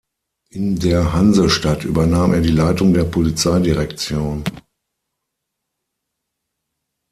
In der Hansestadt übernahm er die Leitung der Polizeidirektion.